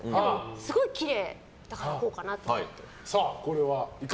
すごいきれいだから、こうかなと。